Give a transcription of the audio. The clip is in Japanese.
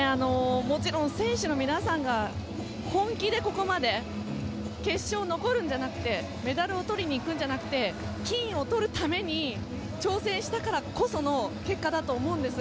もちろん選手の皆さんが本気でここまで決勝残るんじゃなくてメダルをとりにいくんじゃなくて金をとるために挑戦したからこその結果だと思うんです。